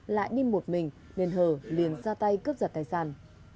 lại đi một mình nên hờ liền ra tay cướp giật tài sản